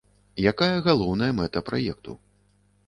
Якая галоўная мэта праекту?